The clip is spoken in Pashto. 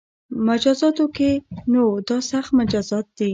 مجازاتو کې نو دا سخت مجازات دي